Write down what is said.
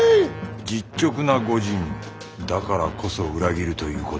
実直な御仁だからこそ裏切るということでは。